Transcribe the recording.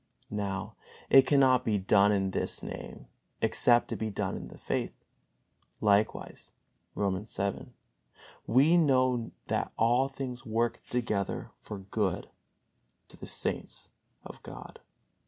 Now it cannot be done in this Name except it be done in this faith. Likewise, Romans vii: "We know that all things work together for good to the saints of God."